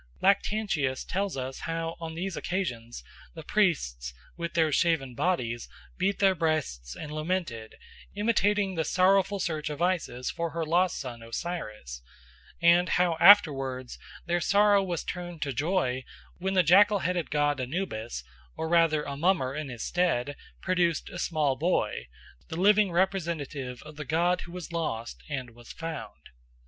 Lactantius tells us how on these occasions the priests, with their shaven bodies, beat their breasts and lamented, imitating the sorrowful search of Isis for her lost son Osiris, and how afterwards their sorrow was turned to joy when the jackal headed god Anubis, or rather a mummer in his stead, produced a small boy, the living representative of the god who was lost and was found.